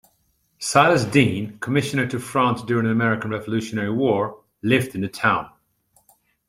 Silas Deane, commissioner to France during the American Revolutionary War, lived in the town.